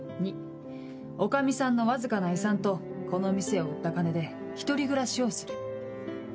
２女将さんのわずかな遺産とこの店を売った金で１人暮らしをする。